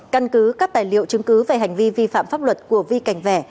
căn cứ các tài liệu chứng cứ về hành vi vi phạm pháp luật của vi cảnh vẻ